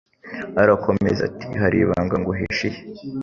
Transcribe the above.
arakomeza ati hari ibanga nguhishiye